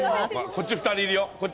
こっちは２人いる。